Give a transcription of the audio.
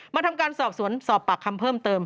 ทำการสอบสวนสอบปากคำเพิ่มเติม